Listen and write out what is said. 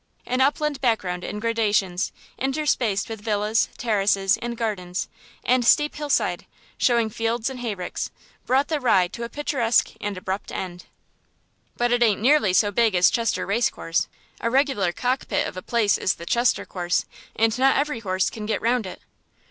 An upland background in gradations, interspaced with villas, terraces, and gardens, and steep hillside, showing fields and hayricks, brought the Rye to a picturesque and abrupt end. "But it ain't nearly so big as Chester race course. A regular cockpit of a place is the Chester course; and not every horse can get round it."